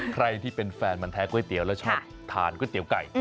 ใครที่เป็นแฟนมันแท้ก๋วยเตี๋ยวแล้วชอบทานก๋วยเตี๋ยวไก่